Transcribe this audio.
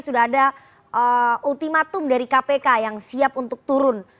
sudah ada ultimatum dari kpk yang siap untuk turun